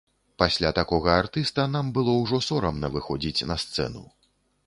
Пасля такога артыста нам было ўжо сорамна выходзіць на сцэну.